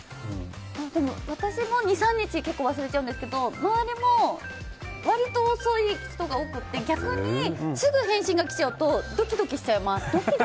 でも私も２３日結構忘れちゃうんですけど周りも割と遅い人が多くて逆に、すぐ返信が来ちゃうとドキドキしちゃいます。